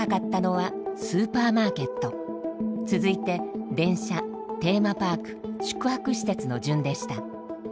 続いて電車テーマパーク宿泊施設の順でした。